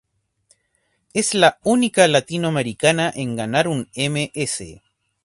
Es la única latinoamericana en ganar un Ms.